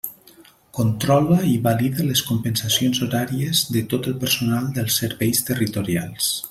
Controla i valida les compensacions horàries de tot el personal dels Serveis Territorials.